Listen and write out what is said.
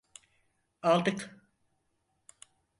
Aldık!